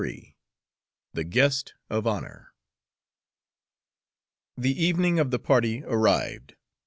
XXIII THE GUEST OF HONOR The evening of the party arrived.